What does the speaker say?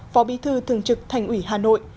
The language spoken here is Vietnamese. phó bí thư thường trực thành ủy hà nội